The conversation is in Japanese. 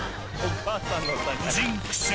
夫人、苦戦。